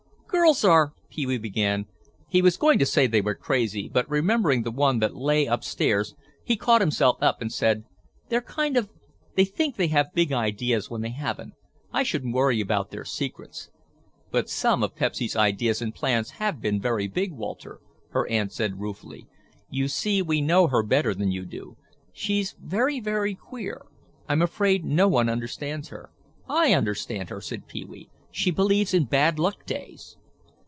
"Girls are—" Pee wee began. He was going to say they were crazy, but remembering the one that lay upstairs he caught himself up and said, "they're kind of—they think they have big ideas when they haven't. I should worry about their secrets." "But some of Pepsy's ideas and plans have been very big, Walter," his aunt said ruefully. "You see we know her better than you do. She's very, very queer; I'm afraid no one understands her." "I understand her," said Pee wee. "She believes in bad luck days."